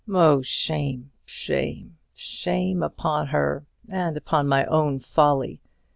Oh, shame, shame, shame upon her, and upon my own folly!